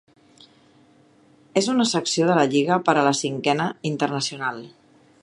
És una secció de la Lliga per a la Cinquena Internacional.